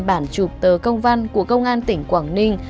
bản chụp tờ công văn của công an tỉnh quảng ninh